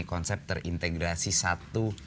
konsep terintegrasi satu